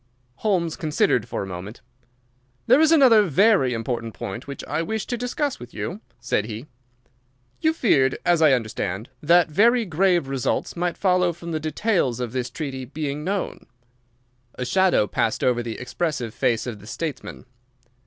Holmes considered for a moment. "There is another very important point which I wish to discuss with you," said he. "You feared, as I understand, that very grave results might follow from the details of this treaty becoming known." A shadow passed over the expressive face of the statesman.